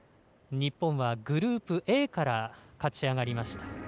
日本はグループＡから勝ち上がりました。